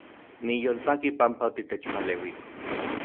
Niyolpaki panpa otitechpaleuiko